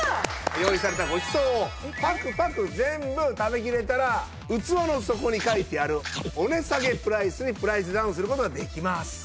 用意されたごちそうをパクパク全部食べ切れたら器の底に書いてあるお値下げプライスにプライスダウンする事ができます。